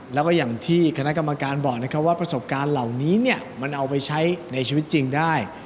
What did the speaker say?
แล้วก็อย่างที่คณะกรรมการบอกนะครับว่าประสบการณ์เหล่านี้มันเอาไปใช้ในชีวิตจริงได้